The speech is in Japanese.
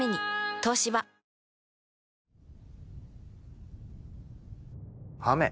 東芝雨？